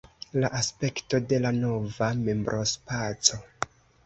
La aspekto de la nova membrospaco.